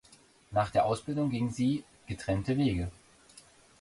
Nach der Ausbildung gingen sie getrennte Wege.